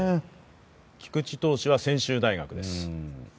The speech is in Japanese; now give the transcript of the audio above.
菊地投手は専修大学です。